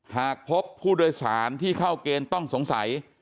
หากพบผู้โดยสารที่เข้าเกณฑ์ต้องสงสัย